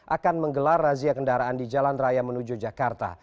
akan menggelar razia kendaraan di jalan raya menuju jakarta